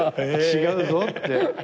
違うぞって。